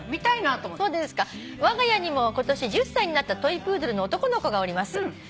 「わが家にも今年１０歳になったトイプードルの男の子がおります」